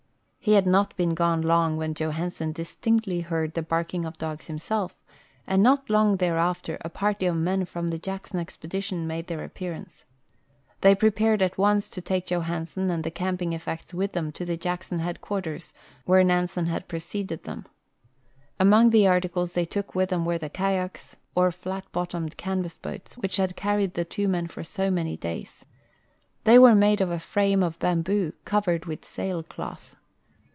He had not been gone long when Johansen distinctly heard the barking of dogs himself, and not long thereafter a party of men from the Jackson expedition made their appearance. The}'^ prepared at once to take Johansen and the camping effects Avith them to the Jackson headquarters, Avhere Nansen had iDreceded them. Among the articles they took Avith them Avere the kayaks, or flat bottomed canvas boats, Avhich had carried the tAVO men for so many days. The}^ Avere made of a frame of bamboo, covered Avith sailcloth.